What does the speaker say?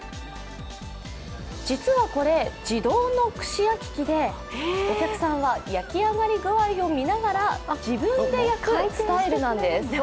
実はこれ、自動の串焼き機でお客さんは焼き上がり具合を見ながら自分で焼くスタイルなんです。